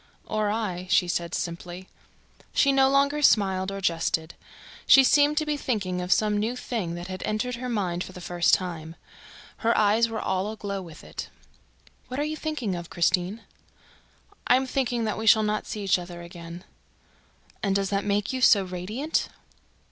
"Or I," she said simply. She no longer smiled or jested. She seemed to be thinking of some new thing that had entered her mind for the first time. Her eyes were all aglow with it. "What are you thinking of, Christine?" "I am thinking that we shall not see each other again ..." "And does that make you so radiant?"